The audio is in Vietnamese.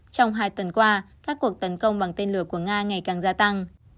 trong hai tuần qua các cuộc tấn công bằng tên lửa của nga ngày càng gia tăng